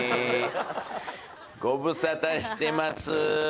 ご無沙汰してます。